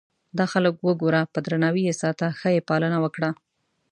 دا خلک وګوره په درناوي یې ساته ښه یې پالنه وکړه.